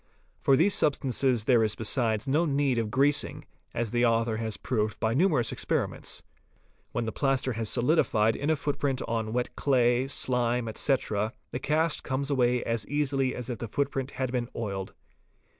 For these substances there is besides no need of greasing, as the author has proved by numerous experi ments. When the plaster has solidified in a footprint on wet clay, slime, etc., the cast comes away as easily as if the footprint had been oiled.